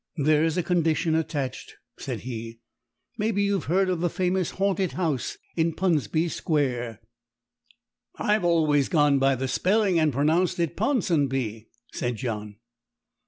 "There's a condition attached," said he. "Maybe you have heard of the famous haunted house in Puns'nby Square?" "I've always gone by the spelling, and pronounced it Ponsonby," said John.